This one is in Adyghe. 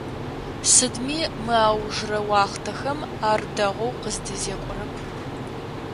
Сыдми мы аужрэ уахътэхэм ар дэгъоу къыздэзекӀорэп.